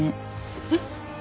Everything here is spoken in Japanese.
えっ？